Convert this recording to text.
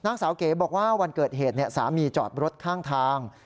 นางสาวเก๋บอกว่าวันเกิดเหตุสามีจอดรถข้างทาง